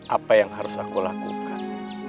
apa yang harus aku lakukan